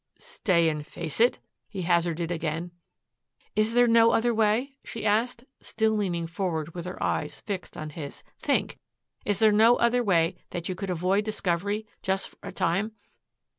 "Stay and face it?" he hazarded again. "Is there no other way?" she asked, still leaning forward with her eyes fixed on his. "Think! Is there no way that you could avoid discovery just for a time?